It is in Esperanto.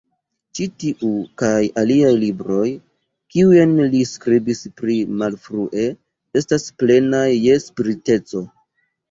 Ĉi tiu kaj aliaj libroj, kiujn li skribis pli malfrue, estas plenaj je spiriteco.